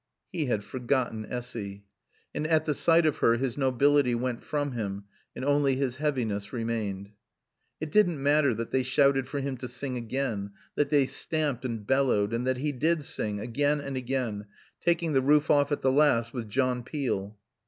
He had forgotten Essy. And at the sight of her his nobility went from him and only his heaviness remained. It didn't matter that they shouted for him to sing again, that they stamped and bellowed, and that he did sing, again and again, taking the roof off at the last with "John Peel."